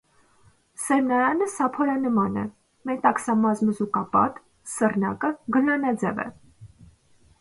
Սերմնարանը սափորանման է, մետաքսամազմզուկապատ, սռնակը գլանաձև է։